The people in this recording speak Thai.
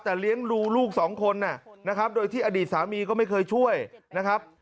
แต่เลี้ยงดูลูกสองคนนะครับโดยที่อดีตสามีก็ไม่เคยช่วยนะครับ